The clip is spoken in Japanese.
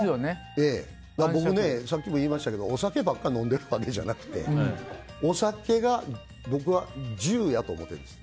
僕ね、さっきも言いましたけどお酒ばっかり飲んでるんじゃなくてお酒が僕は従だと思ってるんです。